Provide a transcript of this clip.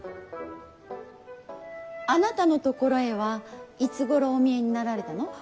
あなたのところへはいつごろお見えになられたの。